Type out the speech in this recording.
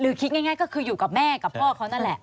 คิดง่ายก็คืออยู่กับแม่กับพ่อเขานั่นแหละ